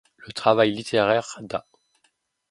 Le travail littéraire d'A.